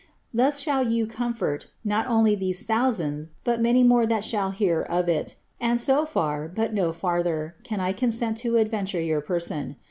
Thus shall you comfort, not only these thousands, but many more that shall hear of it; and so far, but no fiirther, can I consent to adventure your person.